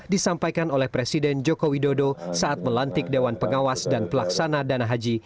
disampaikan oleh presiden joko widodo saat melantik dewan pengawas dan pelaksana dana haji